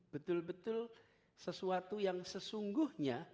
betul betul sesuatu yang sesungguhnya